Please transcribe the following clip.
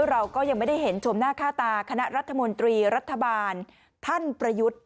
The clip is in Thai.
เราก็ยังไม่ได้เห็นชมหน้าค่าตาคณะรัฐมนตรีรัฐบาลท่านประยุทธ์